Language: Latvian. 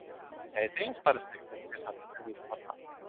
Pētījums parasti tiek veikts tiešās intervijas formā.